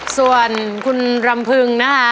ส่วนคุณรำพึงนะคะ